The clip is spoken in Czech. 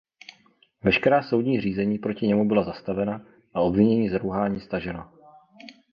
Veškerá soudní řízení proti němu byla zastavena a obvinění z rouhání staženo.